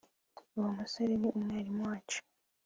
uwo musore ni umwarimu wacu